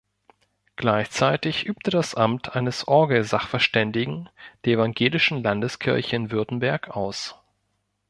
Gleichzeitig übt er das Amt eines Orgelsachverständigen der Evangelischen Landeskirche in Württemberg aus.